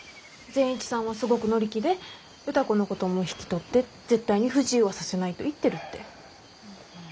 善一さんはすごく乗り気で歌子のことも引き取って絶対に不自由はさせないと言ってるって。